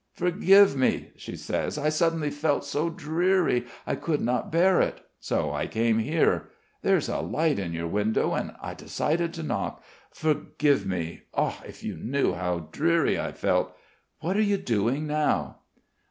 "Forgive me," she says. "I suddenly felt so dreary ... I could not bear it. So I came here. There's a light in your window ... and I decided to knock.... Forgive me.... Ah, if you knew how dreary I felt! What are you doing now?"